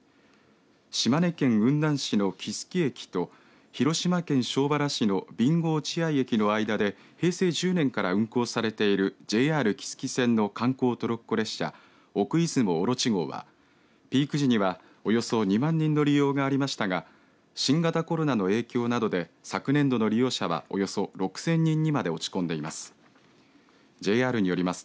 島根県雲南市の木次駅と広島県庄原市の備後落合駅の間で平成１０年から運行されているＪＲ木次線の観光トロッコ列車奥出雲おろち号はピーク時には、およそ２万人の利用がありましたが新型コロナの影響などで昨年度の利用者はおよそ６０００人にまで落ち込んでいます。